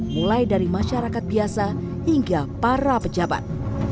mulai dari masyarakat biasa hingga para pejabat